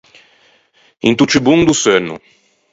Into ciù bon do seunno.